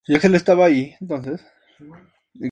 El área era parte de la Ruta de la Seda.